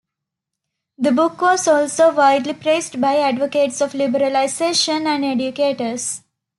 The book was also widely praised by advocates of liberalization and educators.